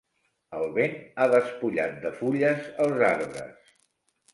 El vent ha despullat de fulles els arbres.